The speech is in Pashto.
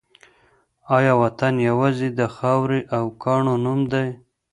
آیا وطن یوازې د خاورې او کاڼو نوم دی؟